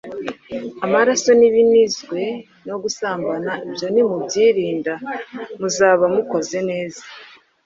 amaraso, n’ibinizwe, no gusambana; ibyo nimubyirinda, muzaba mukoze neza.